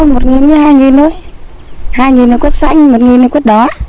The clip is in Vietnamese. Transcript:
hạ thì bây giờ là có một nghìn hai nghìn thôi hai nghìn là quất xanh một nghìn là quất đó